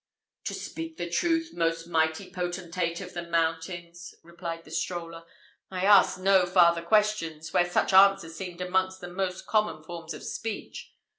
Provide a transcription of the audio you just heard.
"To speak the truth, most mighty potentate of the mountains," replied the stroller, "I asked no farther questions where such answers seemed amongst the most common forms of speech.